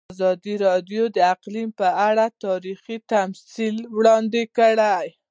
ازادي راډیو د اقلیم په اړه تاریخي تمثیلونه وړاندې کړي.